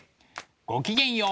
ごきげんよう！